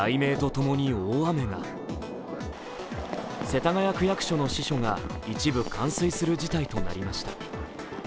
世田谷区役所の支所が一部冠水する事態となりました。